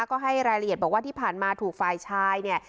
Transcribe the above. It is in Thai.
ก็ให้รายละเอียดบอกว่าที่ผ่านมาถูกฝ่ายชายเนี่ย